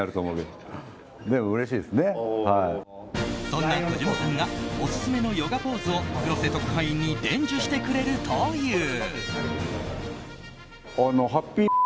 そんな児嶋さんがおすすめのヨガポーズを黒瀬特派員に伝授してくれるという。